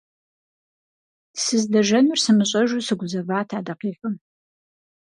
Сыздэжэнур сымыщӏэжу сыгузэват а дакъикъэм.